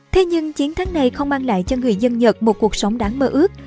thế nhưng chiến thắng này không mang lại cho người dân nhật một cuộc sống đáng mơ ước